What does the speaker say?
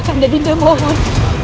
kakanda dinda mohon